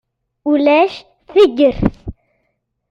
Ulac tigert.